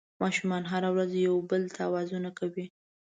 ماشومان هره ورځ یو بل ته اوازونه کوي